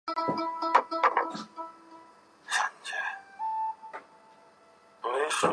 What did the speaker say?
芭比娃娃上首次曝光。